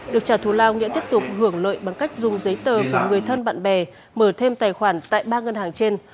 được trả thù lao nghĩa tiếp tục hưởng lợi bằng cách dùng giấy tờ của người thân bạn bè mở thêm tài khoản tại ba ngân hàng trên